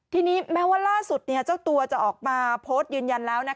ทีนี้แม้ว่าล่าสุดเจ้าตัวจะออกมาโพสต์ยืนยันแล้ว